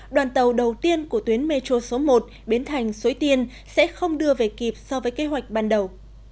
đoàn tàu đầu tiên của tuyến metro số một biến thành suối tiên sẽ không đưa về kịp so với kế hoạch ban đầu